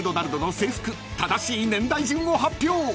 正しい年代順を発表］